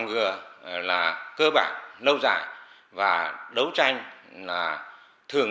ngồi rõ dưới tác động